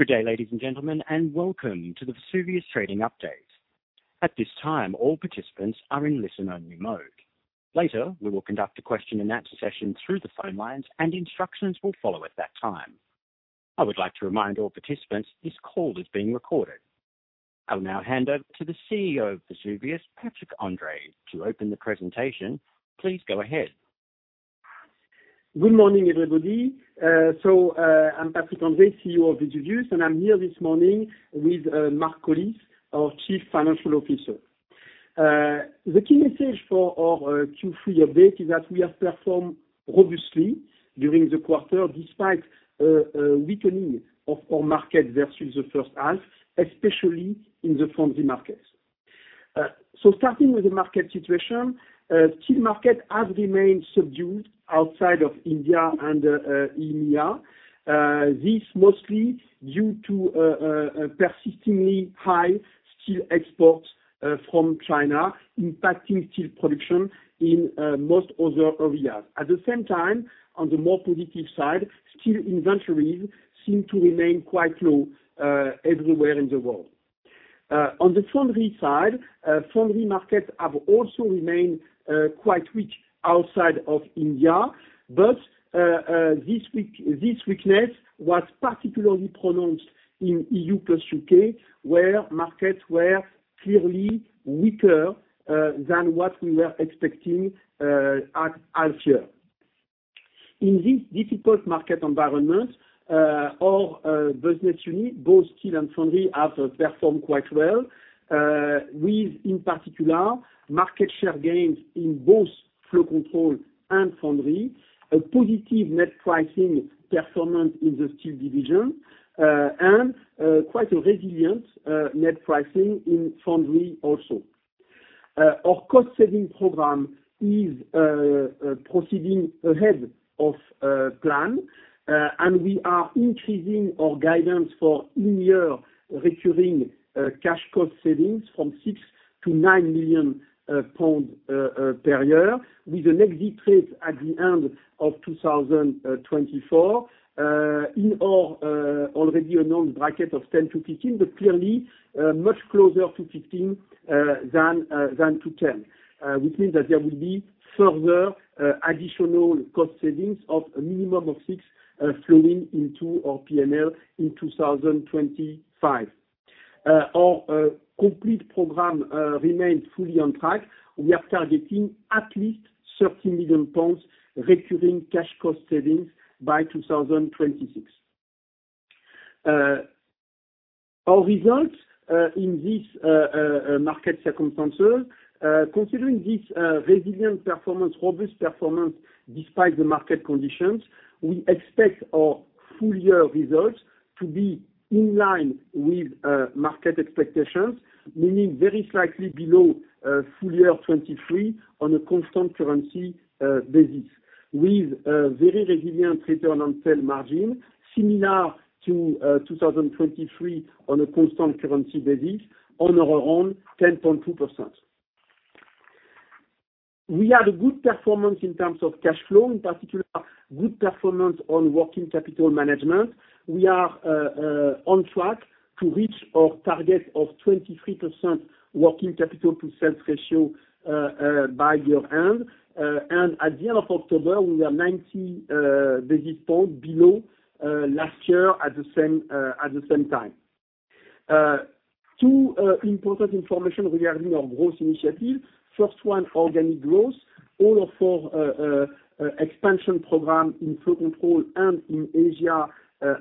Good day, ladies and gentlemen, and welcome to the Vesuvius trading update. At this time, all participants are in listen-only mode. Later, we will conduct a question-and-answer session through the phone lines, and instructions will follow at that time. I would like to remind all participants this call is being recorded. I will now hand over to the CEO of Vesuvius, Patrick André, to open the presentation. Please go ahead. Good morning, everybody. So I'm Patrick André, CEO of Vesuvius, and I'm here this morning with Mark Collis, our Chief Financial Officer. The key message for our Q3 update is that we have performed robustly during the quarter despite a weakening of our market versus the first half, especially in the foundry markets. So starting with the market situation, steel markets have remained subdued outside of India and EMEA, this mostly due to persistently high steel exports from China, impacting steel production in most other areas. At the same time, on the more positive side, steel inventories seem to remain quite low everywhere in the world. On the foundry side, foundry markets have also remained quite weak outside of India, but this weakness was particularly pronounced in EU plus U.K., where markets were clearly weaker than what we were expecting half year. In this difficult market environment, our business units, both Steel and Foundry, have performed quite well, with, in particular, market share gains in both Flow Control and Foundry, a positive net pricing performance in the Steel division, and quite a resilient net pricing in Foundry also. Our cost saving program is proceeding ahead of plan, and we are increasing our guidance for in-year recurring cash cost savings from 6 to 9 million pounds per year, with an exit rate at the end of 2024 in our already announced bracket of 10 to 15, but clearly much closer to 15 than to 10, which means that there will be further additional cost savings of a minimum of 6 flowing into our P&L in 2025. Our complete program remains fully on track. We are targeting at least 30 million pounds recurring cash cost savings by 2026. Our results in these market circumstances, considering this resilient performance, robust performance despite the market conditions. We expect our full-year results to be in line with market expectations, meaning very slightly below full-year 2023 on a constant currency basis, with a very resilient return on sales margin similar to 2023 on a constant currency basis, on our own, 10.2%. We had a good performance in terms of cash flow, in particular, good performance on working capital management. We are on track to reach our target of 23% working capital to sales ratio by year-end, and at the end of October, we were 90 million below last year at the same time. Two important pieces of information regarding our growth initiative. First one, organic growth. All of our expansion programs in Flow Control and in Asia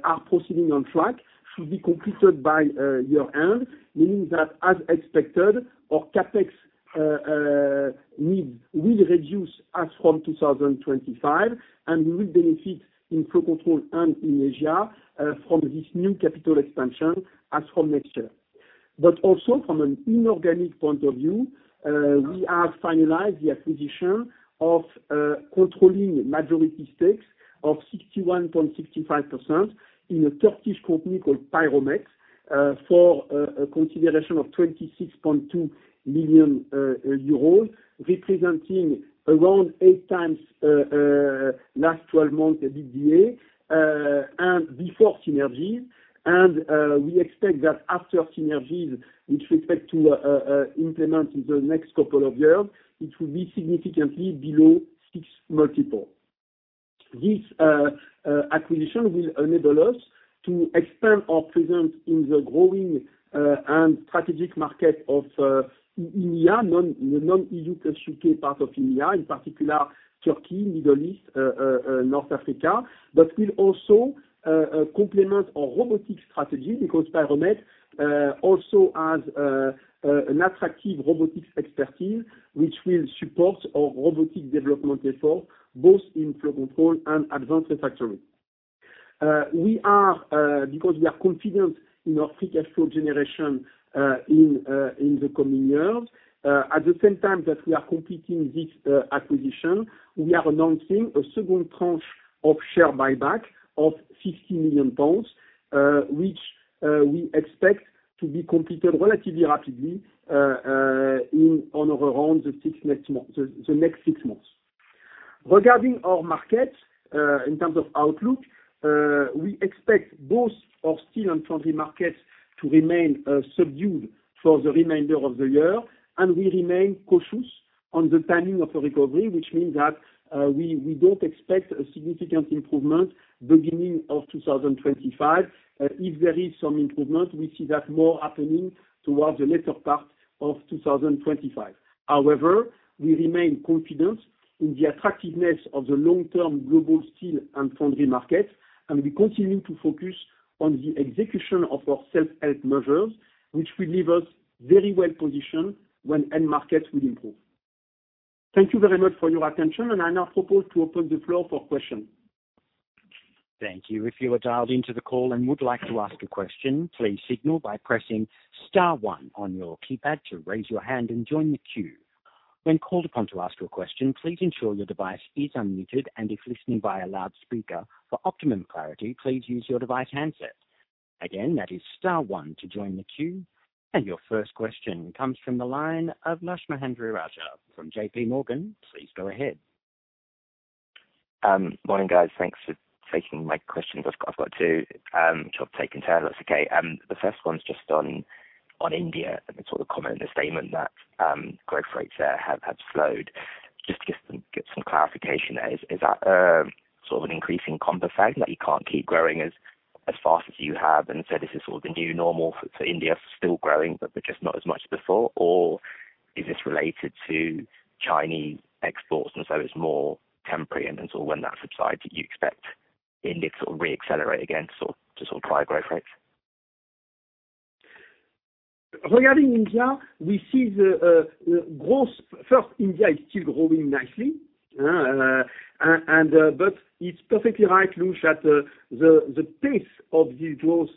are proceeding on track, should be completed by year-end, meaning that, as expected, our CapEx needs will reduce as from 2025, and we will benefit in Flow Control and in Asia from this new capital expansion as from next year, but also, from an inorganic point of view, we have finalized the acquisition of controlling majority stakes of 61.65% in a Turkish company called Piromet for a consideration of 26.2 million euros, representing around eight times last 12 months' EBITDA and before synergies, and we expect that after synergies, which we expect to implement in the next couple of years, it will be significantly below six multiples. This acquisition will enable us to expand our presence in the growing and strategic market of EMEA, the non-EU plus UK part of EMEA, in particular, Turkey, Middle East, North Africa, but will also complement our robotics strategy because Piromet also has an attractive robotics expertise, which will support our robotics development efforts both in Flow Control and Advanced Refractories. Because we are confident in our free cash flow generation in the coming years, at the same time that we are completing this acquisition, we are announcing a second tranche of share buyback of 50 million pounds, which we expect to be completed relatively rapidly over the next six months. Regarding our markets in terms of outlook, we expect both our steel and foundry markets to remain subdued for the remainder of the year, and we remain cautious on the timing of recovery, which means that we don't expect a significant improvement beginning of 2025. If there is some improvement, we see that more happening towards the later part of 2025. However, we remain confident in the attractiveness of the long-term global steel and foundry markets, and we continue to focus on the execution of our self-help measures, which will leave us very well positioned when end markets will improve. Thank you very much for your attention, and I now propose to open the floor for questions. Thank you. If you are dialed into the call and would like to ask a question, please signal by pressing star one on your keypad to raise your hand and join the queue. When called upon to ask your question, please ensure your device is unmuted, and if listening via loudspeaker for optimum clarity, please use your device handset. Again, that is star one to join the queue. And your first question comes from the line of Lakshman Hendry-Raja from J.P. Morgan. Please go ahead. Morning, guys. Thanks for taking my questions. I've got two which I've taken to. That's okay. The first one's just on India, and it's sort of common in the statement that growth rates there have slowed. Just to get some clarification, is that sort of an increasingly common fact that you can't keep growing as fast as you have? And so this is sort of the new normal for India still growing, but just not as much as before? Or is this related to Chinese exports and so it's more temporary? And sort of when that subsides, do you expect India to sort of re-accelerate again to sort of drive growth rates? Regarding India, we see the growth first. India is still growing nicely, but it's perfectly right, Lakshman, that the pace of this growth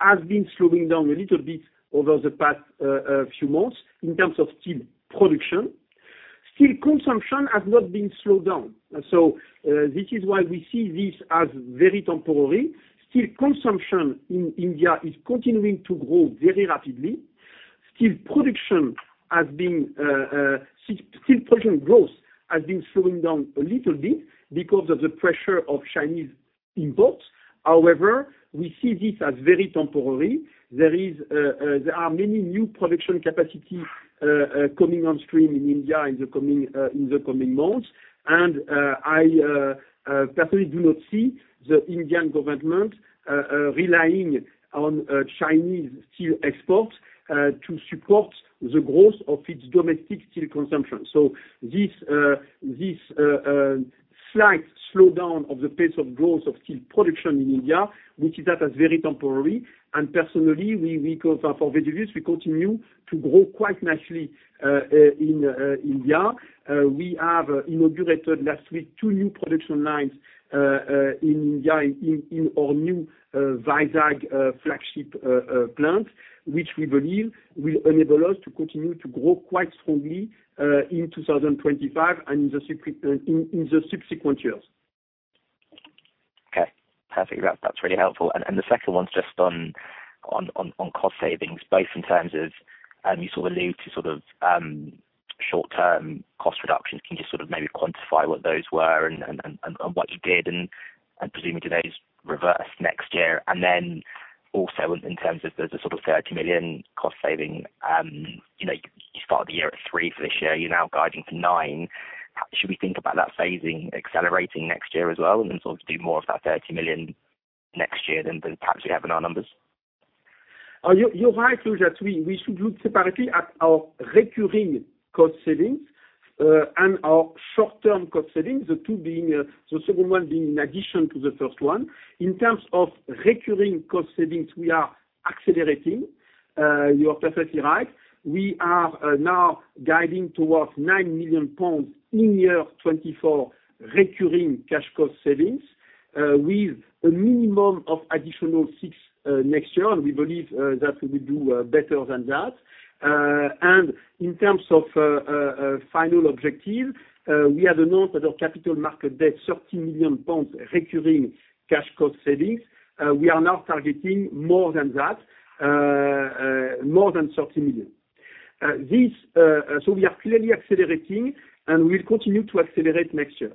has been slowing down a little bit over the past few months in terms of steel production. Steel consumption has not been slowed down. So this is why we see this as very temporary. Steel consumption in India is continuing to grow very rapidly. Steel production growth has been slowing down a little bit because of the pressure of Chinese imports. However, we see this as very temporary. There are many new production capacities coming on stream in India in the coming months, and I personally do not see the Indian government relying on Chinese steel exports to support the growth of its domestic steel consumption. This slight slowdown of the pace of growth of steel production in India, we see that as very temporary. Personally, for Vesuvius, we continue to grow quite nicely in India. We have inaugurated last week two new production lines in India in our new Vizag flagship plant, which we believe will enable us to continue to grow quite strongly in 2025 and in the subsequent years. Okay. Perfect. That's really helpful. And the second one's just on cost savings, both in terms of you saw the new sort of short-term cost reductions. Can you just sort of maybe quantify what those were and what you did? And presumably, do those reverse next year? And then also in terms of the sort of 30 million cost saving, you started the year at three for this year. You're now guiding to nine. Should we think about that phasing accelerating next year as well and sort of do more of that 30 million next year than perhaps we have in our numbers? You're right, Lakshman, that we should look separately at our recurring cost savings and our short-term cost savings, the two being the second one being in addition to the first one. In terms of recurring cost savings, we are accelerating. You are perfectly right. We are now guiding towards 9 million pounds in 2024 recurring cash cost savings with a minimum of additional six next year, and we believe that we will do better than that. And in terms of final objective, we had announced that our capital markets day, 30 million pounds recurring cash cost savings. We are now targeting more than that, more than 30 million. We are clearly accelerating, and we will continue to accelerate next year.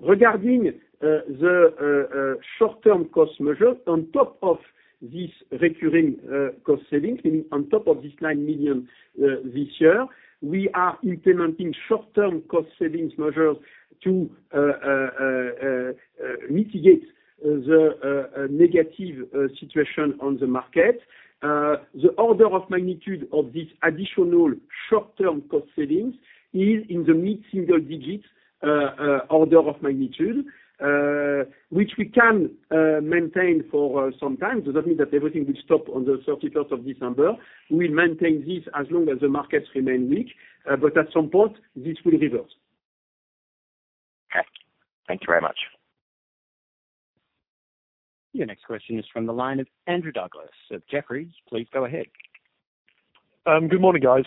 Regarding the short-term cost measures, on top of this recurring cost savings, meaning on top of this 9 million this year, we are implementing short-term cost savings measures to mitigate the negative situation on the market. The order of magnitude of this additional short-term cost savings is in the mid-single digits order of magnitude, which we can maintain for some time. Does that mean that everything will stop on the 31st of December? We will maintain this as long as the markets remain weak, but at some point, this will reverse. Okay. Thank you very much. Your next question is from the line of Andrew Douglas of Jefferies. Please go ahead. Good morning, guys.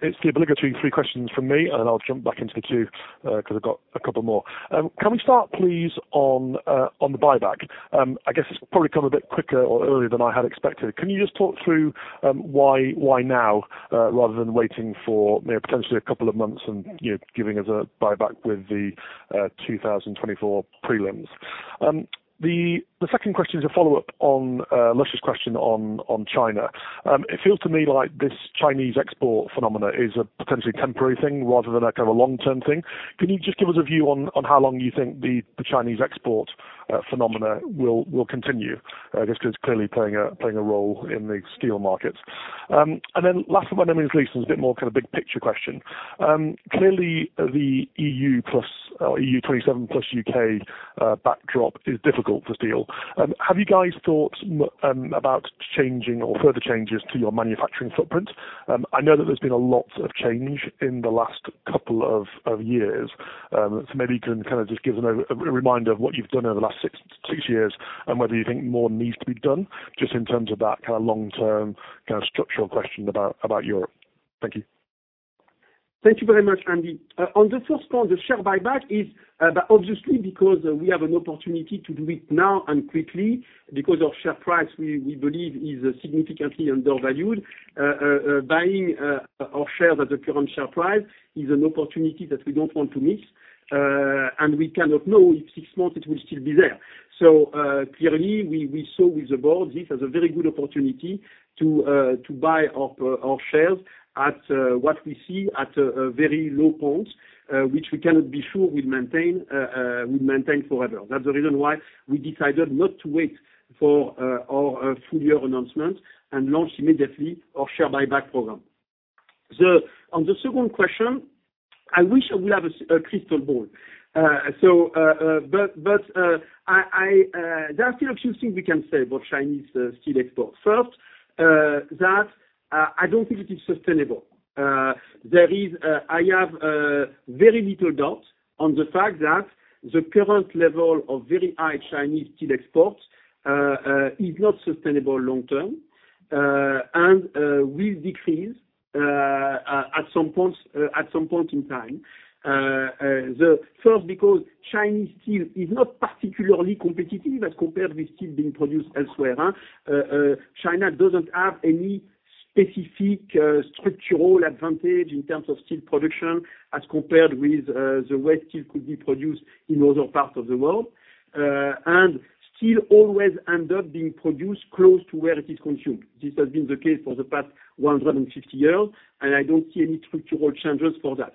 It's the obligatory three questions from me, and I'll jump back into the two because I've got a couple more. Can we start, please, on the buyback? I guess it's probably come a bit quicker or earlier than I had expected. Can you just talk through why now rather than waiting for potentially a couple of months and giving us a buyback with the 2024 prelims? The second question is a follow-up on Lakshman's question on China. It feels to me like this Chinese export phenomena is a potentially temporary thing rather than a kind of a long-term thing. Can you just give us a view on how long you think the Chinese export phenomena will continue? I guess because it's clearly playing a role in the steel markets. And then last but not least, it's a bit more kind of big picture question. Clearly, the EU plus or EU 27 plus UK backdrop is difficult for steel. Have you guys thought about changing or further changes to your manufacturing footprint? I know that there's been a lot of change in the last couple of years. So maybe you can kind of just give us a reminder of what you've done over the last six years and whether you think more needs to be done just in terms of that kind of long-term kind of structural question about Europe. Thank you. Thank you very much, Andy. On the first point, the share buyback is obviously because we have an opportunity to do it now and quickly because our share price, we believe, is significantly undervalued. Buying our shares at the current share price is an opportunity that we don't want to miss, and we cannot know if six months it will still be there. So clearly, we saw with the board this as a very good opportunity to buy our shares at what we see at a very low point, which we cannot be sure we'll maintain forever. That's the reason why we decided not to wait for our full-year announcement and launch immediately our share buyback program. On the second question, I wish I would have a crystal ball, but there are still a few things we can say about Chinese steel exports. First, that I don't think it is sustainable. I have very little doubt on the fact that the current level of very high Chinese steel exports is not sustainable long-term and will decrease at some point in time. First, because Chinese steel is not particularly competitive as compared with steel being produced elsewhere. China doesn't have any specific structural advantage in terms of steel production as compared with the way steel could be produced in other parts of the world, and steel always ends up being produced close to where it is consumed. This has been the case for the past 150 years, and I don't see any structural changes for that.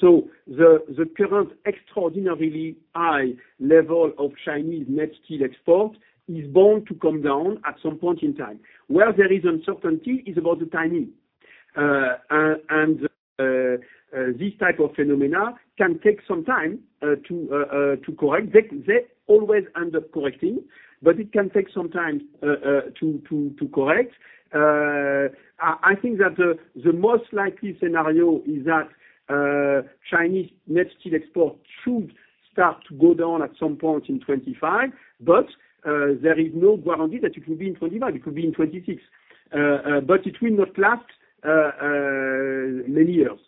So the current extraordinarily high level of Chinese net steel export is bound to come down at some point in time. Where there is uncertainty is about the timing. This type of phenomena can take some time to correct. They always end up correcting, but it can take some time to correct. I think that the most likely scenario is that Chinese net steel export should start to go down at some point in 2025, but there is no guarantee that it will be in 2025. It could be in 2026, but it will not last many years.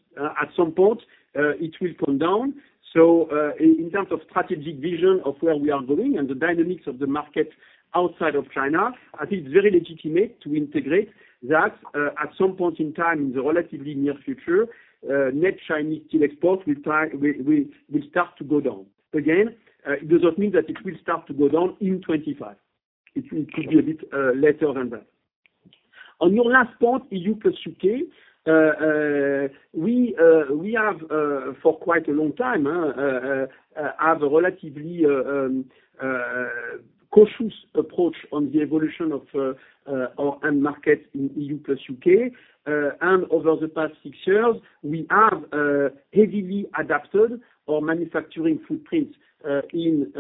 At some point, it will come down. In terms of strategic vision of where we are going and the dynamics of the market outside of China, I think it's very legitimate to integrate that at some point in time in the relatively near future, net Chinese steel exports will start to go down. Again, it does not mean that it will start to go down in 2025. It could be a bit later than that. On your last point, EU plus UK, we have for quite a long time a relatively cautious approach on the evolution of our end market in EU plus UK. And over the past six years, we have heavily adapted our manufacturing footprint in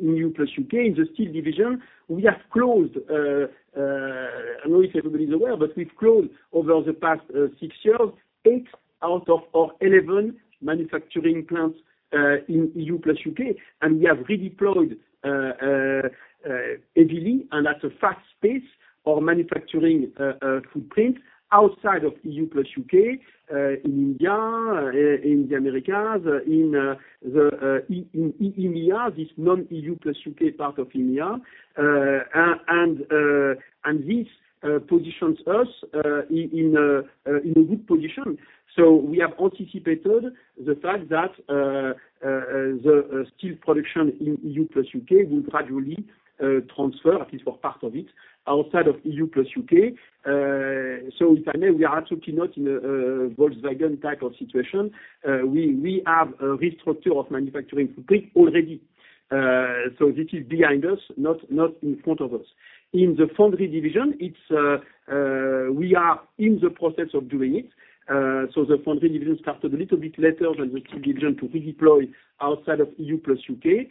EU plus UK in the steel division. We have closed. I know if everybody's aware, but we've closed over the past six years eight out of our 11 manufacturing plants in EU plus UK, and we have redeployed heavily, and that's a fast pace, our manufacturing footprint outside of EU plus UK in India, in the Americas, in EMEA, this non-EU plus UK part of EMEA. And this positions us in a good position. So we have anticipated the fact that the steel production in EU plus UK will gradually transfer, at least for part of it, outside of EU plus UK. So if I may, we are absolutely not in a Volkswagen type of situation. We have a restructure of manufacturing footprint already. So this is behind us, not in front of us. In the foundry division, we are in the process of doing it. So the foundry division started a little bit later than the steel division to redeploy outside of E.U. plus U.K.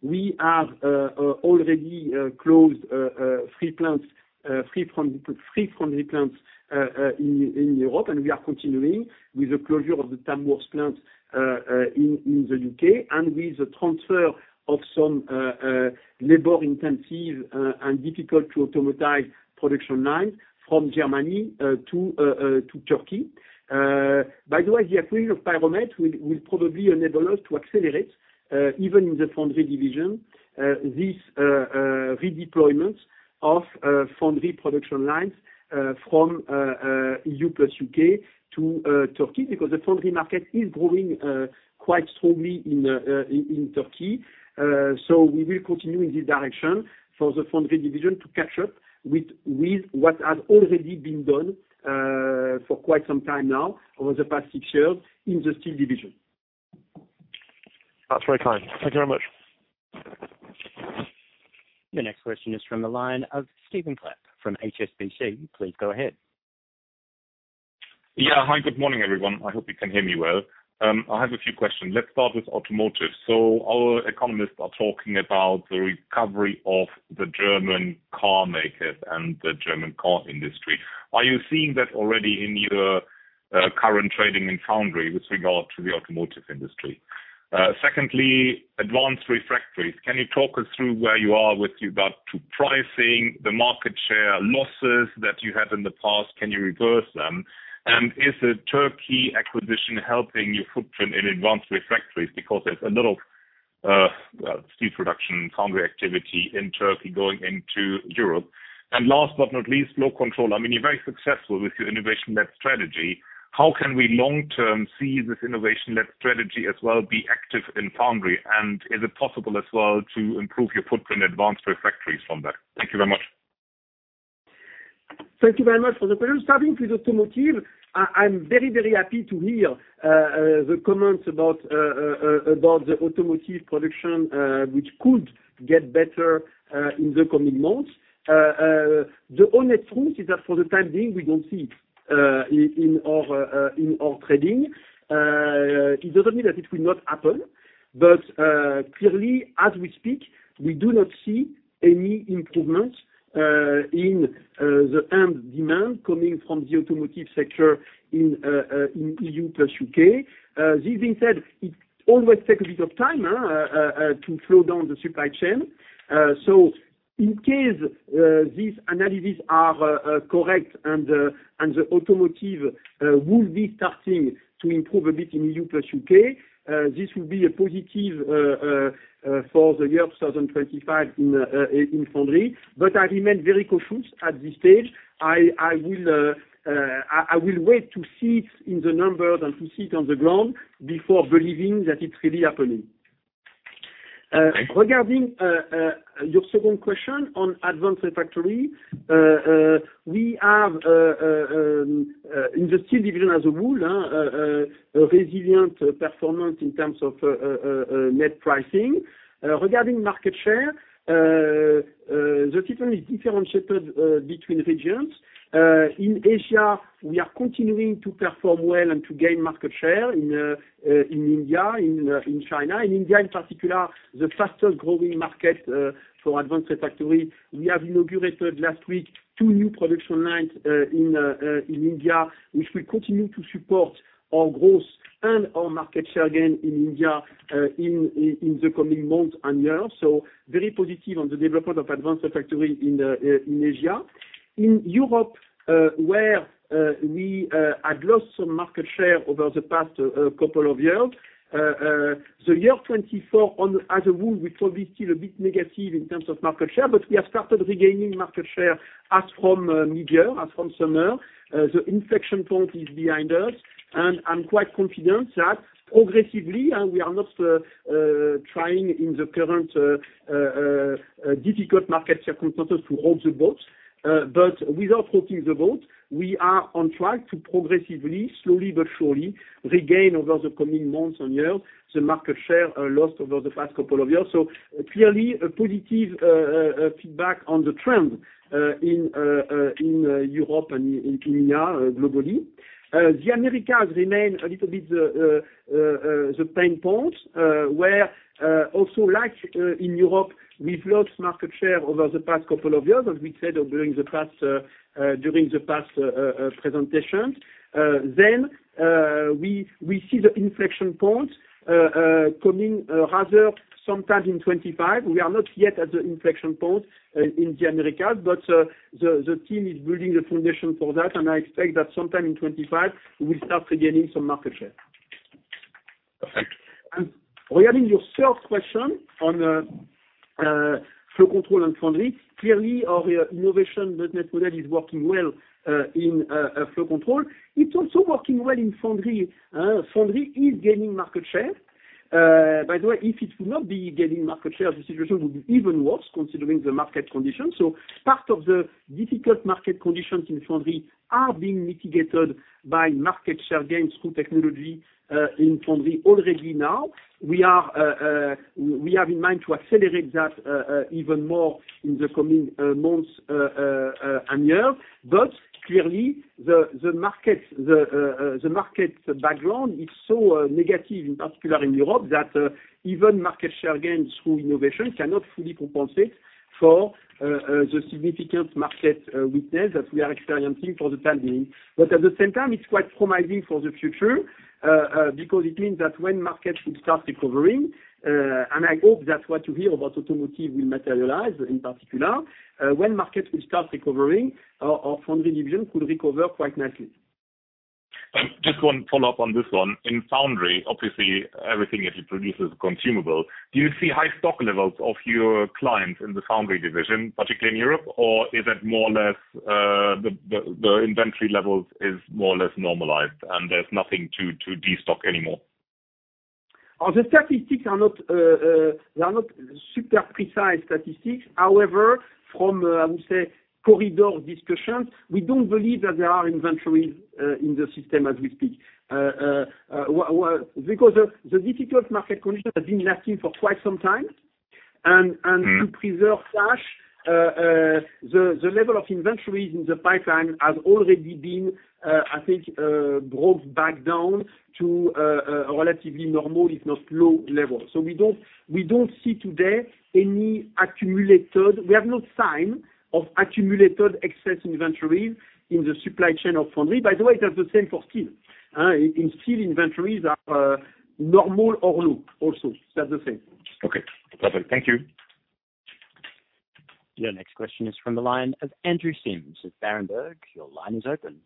We have already closed three foundry plants in Europe, and we are continuing with the closure of the Tamworth plant in the U.K. and with the transfer of some labor-intensive and difficult-to-automatize production lines from Germany to Turkey. By the way, the acquisition of Piromet will probably enable us to accelerate, even in the foundry division, this redeployment of foundry production lines from E.U. plus U.K. to Turkey because the foundry market is growing quite strongly in Turkey. So we will continue in this direction for the foundry division to catch up with what has already been done for quite some time now over the past six years in the steel division. That's very kind. Thank you very much. Your next question is from the line of Stephen Clark from HSBC. Please go ahead. Yeah. Hi, good morning, everyone. I hope you can hear me well. I have a few questions. Let's start with automotive. So our economists are talking about the recovery of the German car makers and the German car industry. Are you seeing that already in your current trading in Foundry with regard to the automotive industry? Secondly, Advanced Refractories. Can you talk us through where you are with regard to pricing, the market share, losses that you had in the past? Can you reverse them? And is the Turkey acquisition helping your footprint in Advanced Refractories because there's a lot of steel production Foundry activity in Turkey going into Europe? And last but not least, Flow Control. I mean, you're very successful with your innovation-led strategy. How can we long-term see this innovation-led strategy as well be active in Foundry? Is it possible as well to improve your footprint Advanced Refractories from that? Thank you very much. Thank you very much. For the present starting with automotive, I'm very, very happy to hear the comments about the automotive production, which could get better in the coming months. The honest truth is that for the time being, we don't see it in our trading. It doesn't mean that it will not happen, but clearly, as we speak, we do not see any improvements in the end demand coming from the automotive sector in E.U. plus U.K. This being said, it always takes a bit of time to slow down the supply chain. So in case these analyses are correct and the automotive will be starting to improve a bit in E.U. plus U.K., this will be a positive for the year 2025 in foundry. But I remain very cautious at this stage. I will wait to see it in the numbers and to see it on the ground before believing that it's really happening. Thank you. Regarding your second question on advanced refractory, we have in the steel division as a whole resilient performance in terms of net pricing. Regarding market share, the situation is differentiated between regions. In Asia, we are continuing to perform well and to gain market share in India, in China. In India, in particular, the fastest growing market for advanced refractory, we have inaugurated last week two new production lines in India, which will continue to support our growth and our market share gain in India in the coming months and years. So very positive on the development of advanced refractory in Asia. In Europe, where we had lost some market share over the past couple of years, the year 2024 as a whole, we probably still a bit negative in terms of market share, but we have started regaining market share as from mid-year, as from summer. The inflection point is behind us, and I'm quite confident that progressively we are not trying in the current difficult market circumstances to rock the boat, but without rocking the boat, we are on track to progressively, slowly but surely, regain over the coming months and years the market share lost over the past couple of years, so clearly, a positive feedback on the trend in Europe and in India globally. The Americas remain a little bit the pain point where also, like in Europe, we've lost market share over the past couple of years, as we said during the past presentations, then we see the inflection point coming rather sometime in 2025. We are not yet at the inflection point in the Americas, but the team is building the foundation for that, and I expect that sometime in 2025, we will start regaining some market share. Perfect. Regarding your third question on Flow Control and Foundry, clearly our innovation business model is working well in Flow Control. It's also working well in Foundry. Foundry is gaining market share. By the way, if it would not be gaining market share, the situation would be even worse considering the market conditions, so part of the difficult market conditions in Foundry are being mitigated by market share gains through technology in Foundry already now. We have in mind to accelerate that even more in the coming months and years, but clearly, the market background is so negative, in particular in Europe, that even market share gains through innovation cannot fully compensate for the significant market weakness that we are experiencing for the time being. But at the same time, it's quite promising for the future because it means that when markets will start recovering, and I hope that what you hear about automotive will materialize in particular, when markets will start recovering, our Foundry division could recover quite nicely. Just one follow-up on this one. In Foundry, obviously, everything that you produce is consumable. Do you see high stock levels of your clients in the Foundry division, particularly in Europe, or is it more or less the inventory level is more or less normalized and there's nothing to destock anymore? The statistics are not super precise statistics. However, from, I would say, corridor discussions, we don't believe that there are inventories in the system as we speak. Because the difficult market conditions have been lasting for quite some time, and to preserve cash, the level of inventories in the pipeline has already been, I think, brought back down to a relatively normal, if not low, level. So we don't see today. We have no sign of accumulated excess inventories in the supply chain of Foundry. By the way, that's the same for steel. In steel, inventories are normal or low also. That's the same. Okay. Perfect. Thank you. Your next question is from the line of Andrew Sims at Berenberg. Your line is open.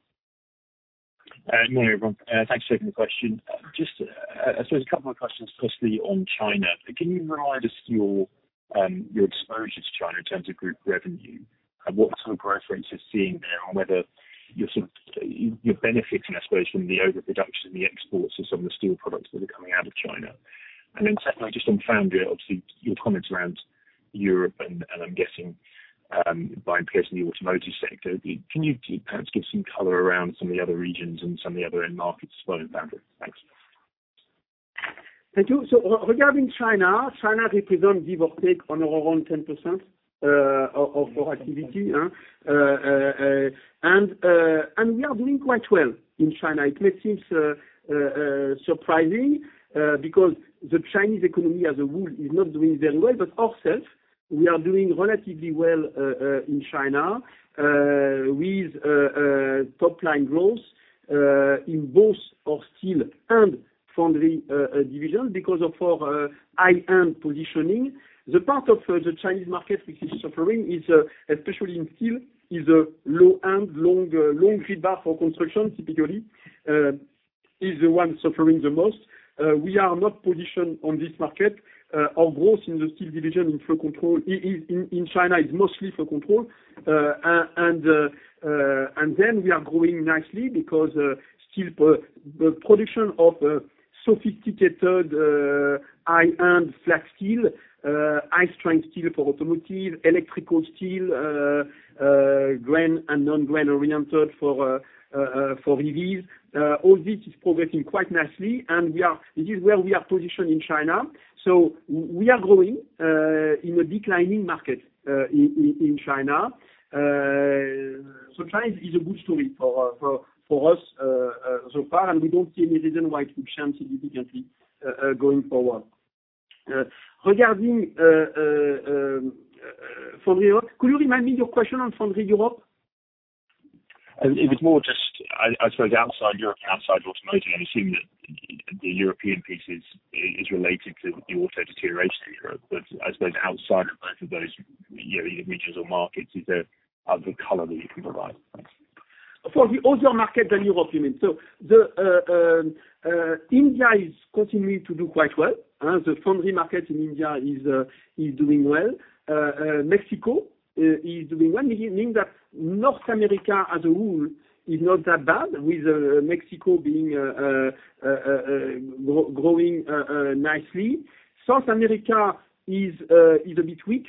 Good morning, everyone. Thanks for taking the question. Just, I suppose, a couple of questions firstly on China. Can you remind us of your exposure to China in terms of group revenue and what sort of growth rates you're seeing there and whether you benefit, I suppose, from the overproduction and the exports of some of the steel products that are coming out of China? Then secondly, just on foundry, obviously, your comments around Europe and I'm guessing by OEMs in the automotive sector. Can you perhaps give some color around some of the other regions and some of the other end markets as well in foundry? Thanks. Thank you. So regarding China, China represents give or take on around 10% of our activity. And we are doing quite well in China. It may seem surprising because the Chinese economy as a whole is not doing very well, but ourselves, we are doing relatively well in China with top-line growth in both our steel and foundry divisions because of our high-end positioning. The part of the Chinese market which is suffering, especially in steel, is a low-end, long rebar for construction typically is the one suffering the most. We are not positioned on this market. Our growth in the steel division in flow control in China is mostly flow control. And then we are growing nicely because still production of sophisticated high-end flat steel, high-strength steel for automotive, electrical steel, grain and non-grain oriented for EVs. All this is progressing quite nicely. This is where we are positioned in China. We are growing in a declining market in China. China is a good story for us so far, and we don't see any reason why it could change significantly going forward. Regarding Foundry Europe, could you remind me your question on Foundry Europe? It was more just, I suppose, outside Europe and outside automotive. And I'm assuming that the European piece is related to the auto deterioration in Europe. But I suppose outside of both of those regions or markets, is there other color that you can provide? Of course, we also have markets other than Europe, you mean. So India is continuing to do quite well. The foundry market in India is doing well. Mexico is doing well, meaning that North America as a whole is not that bad, with Mexico being growing nicely. South America is a bit weak,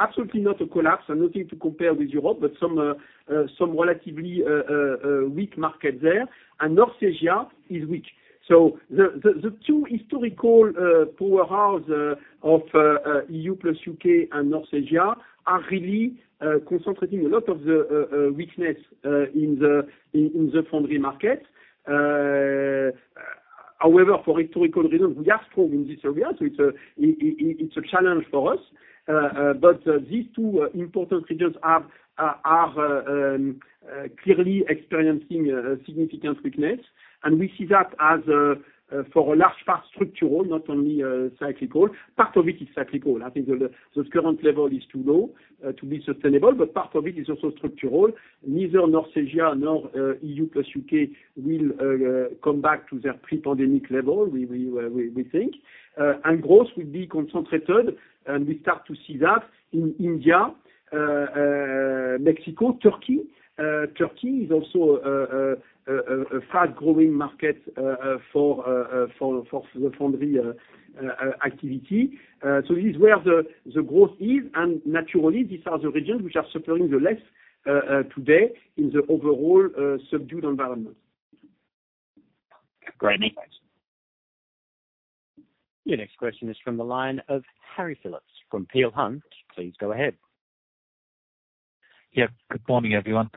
absolutely not a collapse. I'm not here to compare with Europe, but some relatively weak markets there, and North Asia is weak. So the two historical powerhouses of E.U. plus U.K. and North Asia are really concentrating a lot of the weakness in the foundry markets. However, for historical reasons, we are strong in this area, so it's a challenge for us, but these two important regions are clearly experiencing significant weakness, and we see that as, for a large part, structural, not only cyclical. Part of it is cyclical. I think the current level is too low to be sustainable, but part of it is also structural. Neither North Asia nor EU plus UK will come back to their pre-pandemic level, we think. And growth will be concentrated, and we start to see that in India, Mexico, Turkey. Turkey is also a fast-growing market for the foundry activity. So this is where the growth is. And naturally, these are the regions which are suffering the less today in the overall subdued environment. Great. Thanks. Your next question is from the line of Harry Phillips from Peel Hunt. Please go ahead. Yeah. Good morning, everyone.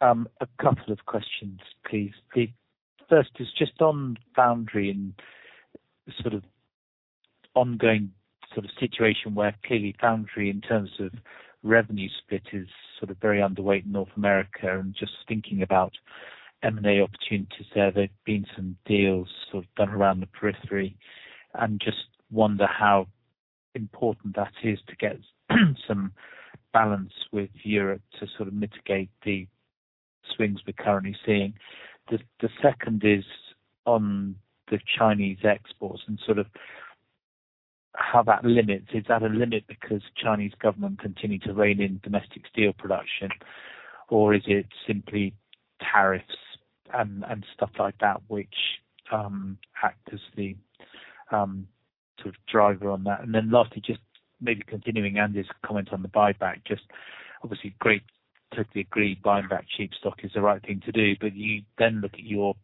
A couple of questions, please. The first is just on foundry and sort of ongoing sort of situation where clearly foundry in terms of revenue split is sort of very underweight in North America. And just thinking about M&A opportunities there, there have been some deals sort of done around the periphery. And just wonder how important that is to get some balance with Europe to sort of mitigate the swings we're currently seeing. The second is on the Chinese exports and sort of how that limits. Is that a limit because Chinese government continue to rein in domestic steel production, or is it simply tariffs and stuff like that which act as the sort of driver on that? And then lastly, just maybe continuing Andy's comment on the buyback, just obviously great to agree buying back cheap stock is the right thing to do, but you then look at your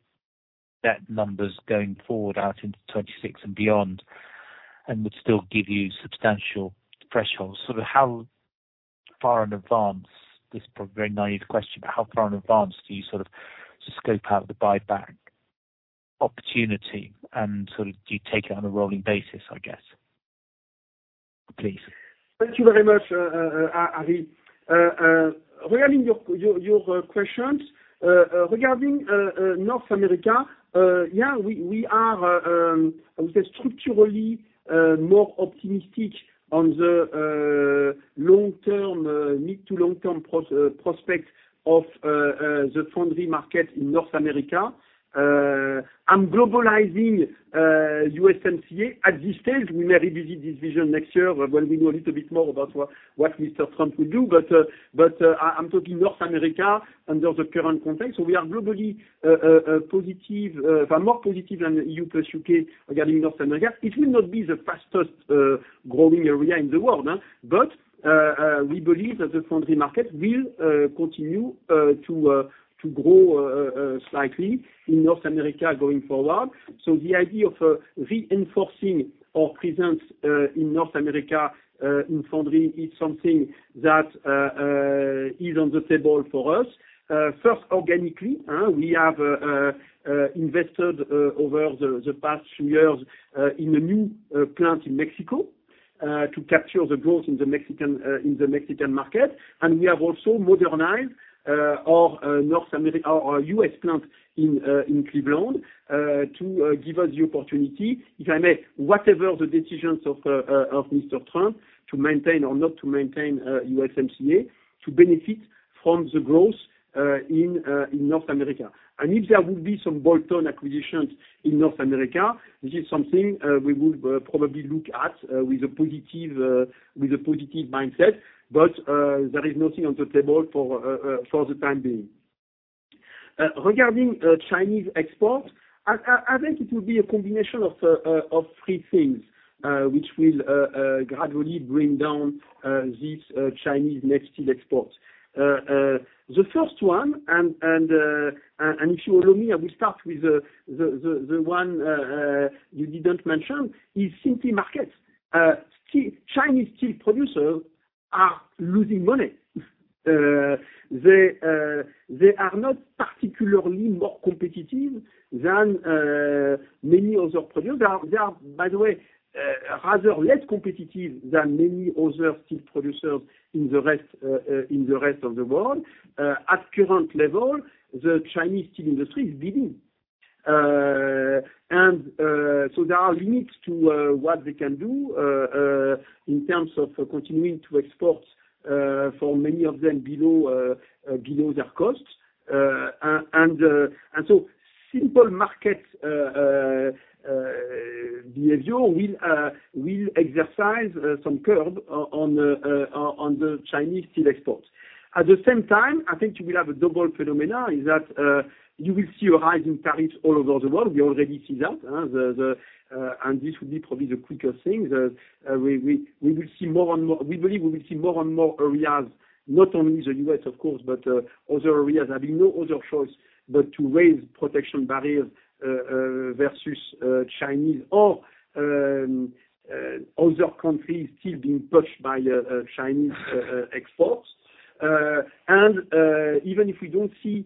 debt numbers going forward out into 2026 and beyond and would still give you substantial thresholds. Sort of how far in advance this is probably a very naive question, but how far in advance do you sort of scope out the buyback opportunity? And sort of do you take it on a rolling basis, I guess, please? Thank you very much, Harry. Regarding your questions, regarding North America, yeah, we are, I would say, structurally more optimistic on the long-term, mid-to-long-term prospect of the foundry market in North America. I'm going with USMCA at this stage. We may revisit this vision next year when we know a little bit more about what Mr. Trump will do. But I'm talking North America under the current context. So we are globally positive, more positive than E.U. plus U.K. regarding North America. It will not be the fastest growing area in the world, but we believe that the foundry market will continue to grow slightly in North America going forward. So the idea of reinforcing our presence in North America in foundry is something that is on the table for us. First, organically, we have invested over the past few years in a new plant in Mexico to capture the growth in the Mexican market, and we have also modernized our U.S. plant in Cleveland to give us the opportunity, if I may, whatever the decisions of Mr. Trump to maintain or not to maintain USMCA to benefit from the growth in North America. And if there will be some bolt-on acquisitions in North America, this is something we will probably look at with a positive mindset, but there is nothing on the table for the time being. Regarding Chinese exports, I think it will be a combination of three things which will gradually bring down these Chinese net steel exports. The first one, and if you allow me, I will start with the one you didn't mention, is simply markets. Chinese steel producers are losing money. They are not particularly more competitive than many other producers. They are, by the way, rather less competitive than many other steel producers in the rest of the world. At current level, the Chinese steel industry is bleeding. So there are limits to what they can do in terms of continuing to export for many of them below their costs. So simple market behavior will exercise some curb on the Chinese steel exports. At the same time, I think you will have a double phenomenon is that you will see a rise in tariffs all over the world. We already see that. This will be probably the quickest thing. We will see more and more we believe we will see more and more areas, not only the U.S., of course, but other areas. I mean, no other choice but to raise protection barriers versus Chinese or other countries still being pushed by Chinese exports, and even if we don't see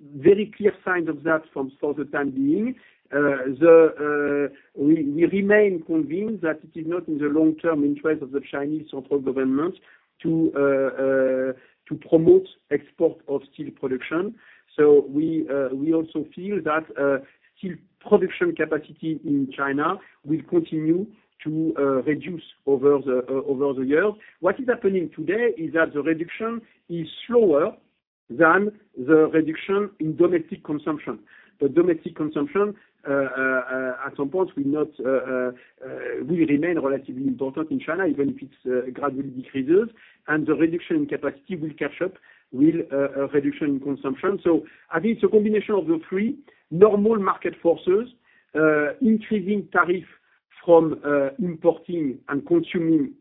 very clear signs of that for the time being, we remain convinced that it is not in the long-term interest of the Chinese central government to promote export of steel production. So we also feel that steel production capacity in China will continue to reduce over the years. What is happening today is that the reduction is slower than the reduction in domestic consumption. The domestic consumption at some point will remain relatively important in China, even if it gradually decreases, and the reduction in capacity will catch up with a reduction in consumption. So I think it's a combination of the three normal market forces, increasing tariffs from importing and consuming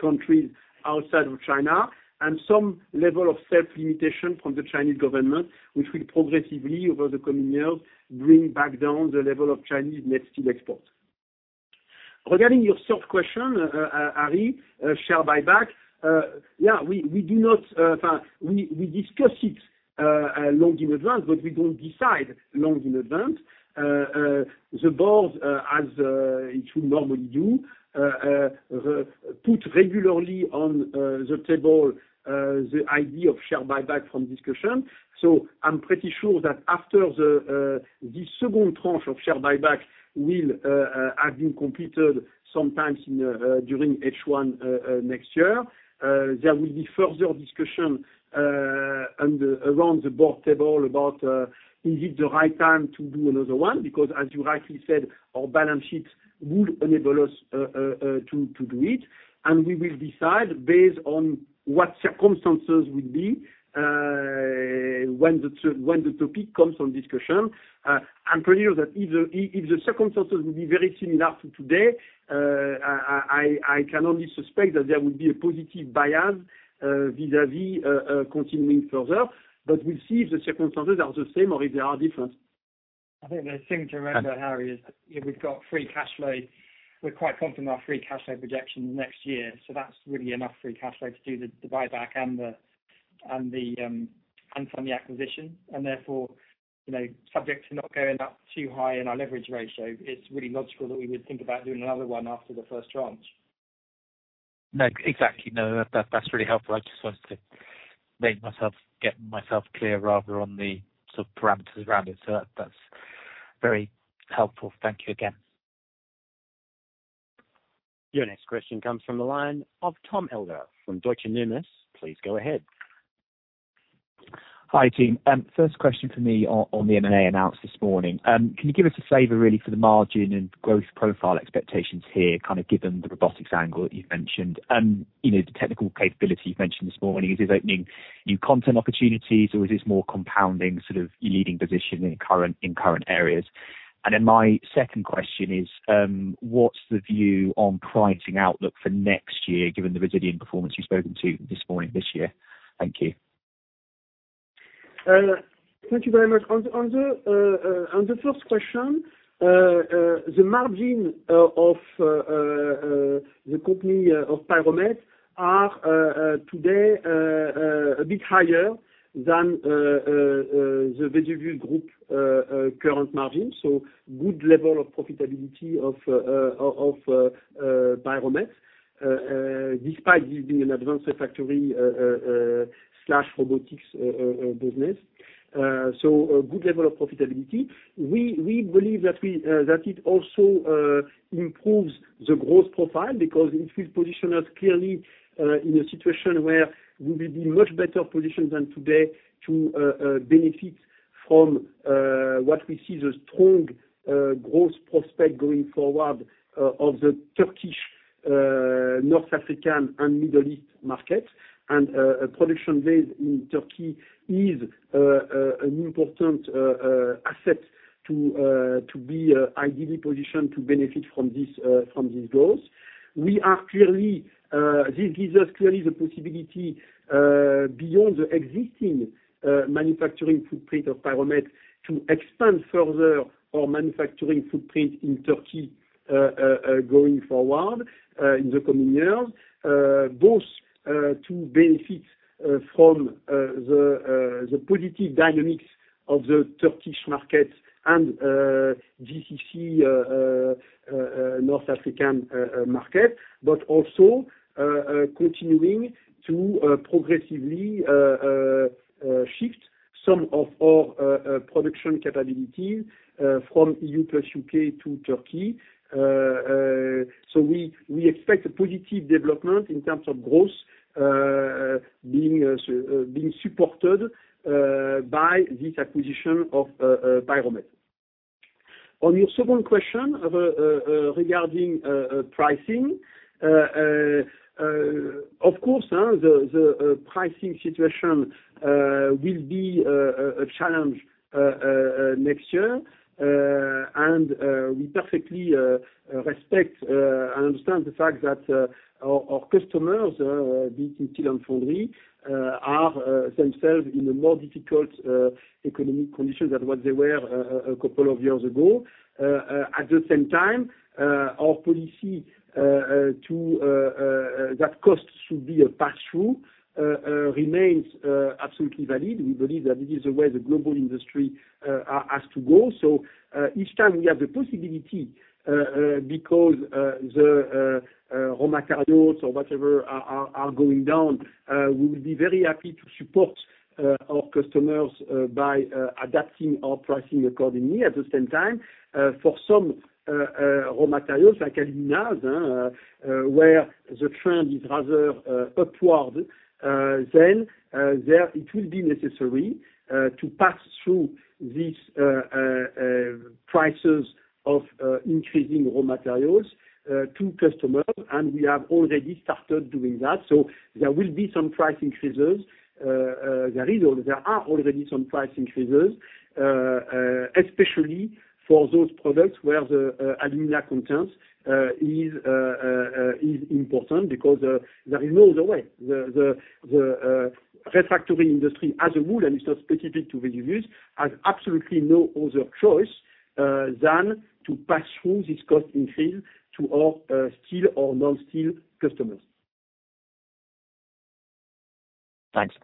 countries outside of China, and some level of self-limitation from the Chinese government, which will progressively over the coming years bring back down the level of Chinese net steel exports. Regarding your third question, Harry, share buyback, yeah, we do not, in fact, we discuss it long in advance, but we don't decide long in advance. The board, as it should normally do, puts regularly on the table the idea of share buyback for discussion. So I'm pretty sure that after this second tranche of share buyback will have been completed sometime during H1 next year, there will be further discussion around the board table about is it the right time to do another one because, as you rightly said, our balance sheet would enable us to do it. We will decide based on what circumstances will be when the topic comes on discussion. I'm pretty sure that if the circumstances will be very similar to today, I can only suspect that there will be a positive bias vis-à-vis continuing further. We'll see if the circumstances are the same or if they are different. I think the thing to remember, Harry, is that we've got free cash flow. We're quite confident with our free cash flow projections next year. So that's really enough free cash flow to do the buyback and fund the acquisition. And therefore, subject to not going up too high in our leverage ratio, it's really logical that we would think about doing another one after the first tranche. No, exactly. No, that's really helpful. I just wanted to make myself clear rather on the sort of parameters around it. So that's very helpful. Thank you again. Your next question comes from the line of Tom Elder from Deutsche Numis. Please go ahead. Hi, team. First question for me on the M&A announced this morning. Can you give us a flavor really for the margin and growth profile expectations here, kind of given the robotics angle that you've mentioned? And the technical capability you've mentioned this morning, is this opening new content opportunities, or is this more compounding sort of your leading position in current areas? And then my second question is, what's the view on pricing outlook for next year given the resilient performance you've spoken to this morning this year? Thank you. Thank you very much. On the first question, the margin of the company of Pyromet are today a bit higher than the Vesuvius Group current margins. So good level of profitability of Pyromet, despite this being an advanced factory/robotics business. So good level of profitability. We believe that it also improves the growth profile because it will position us clearly in a situation where we will be much better positioned than today to benefit from what we see as a strong growth prospect going forward of the Turkish, North African, and Middle East markets. And production-based in Turkey is an important asset to be ideally positioned to benefit from this growth. We are clearly. This gives us clearly the possibility beyond the existing manufacturing footprint of Pyromet to expand further our manufacturing footprint in Turkey going forward in the coming years, both to benefit from the positive dynamics of the Turkish market and GCC North African market, but also continuing to progressively shift some of our production capabilities from EU plus UK to Turkey. So we expect a positive development in terms of growth being supported by this acquisition of Pyromet. On your second question regarding pricing, of course, the pricing situation will be a challenge next year. And we perfectly respect and understand the fact that our customers, being in steel foundry, are themselves in a more difficult economic condition than what they were a couple of years ago. At the same time, our policy that costs should be a pass-through remains absolutely valid. We believe that this is the way the global industry has to go, so each time we have the possibility because the raw materials or whatever are going down, we will be very happy to support our customers by adapting our pricing accordingly. At the same time, for some raw materials like aluminas, where the trend is rather upward, then it will be necessary to pass through these prices of increasing raw materials to customers, and we have already started doing that, so there will be some price increases. There are already some price increases, especially for those products where the alumina content is important because there is no other way. The refractory industry, as a rule, and it's not specific to Vesuvius, has absolutely no other choice than to pass through this cost increase to our steel or non-steel customers. Thanks.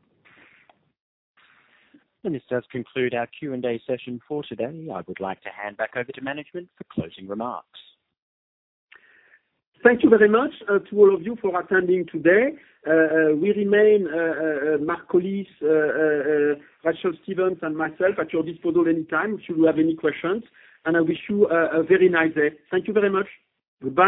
And this does conclude our Q&A session for today. I would like to hand back over to management for closing remarks. Thank you very much to all of you for attending today. We remain, Mark Collis, Rachel Stevens, and myself at your disposal anytime should you have any questions, and I wish you a very nice day. Thank you very much. Goodbye.